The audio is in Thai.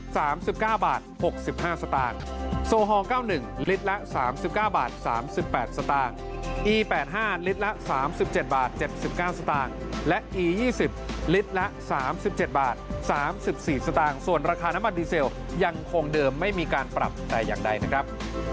ส่วนราคาน้ำมันดีเซลยังคงเดิมไม่มีการปรับแต่อย่างใดนะครับ